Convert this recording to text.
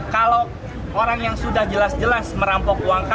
kalau orang yang sudah jelas jelas merampok uang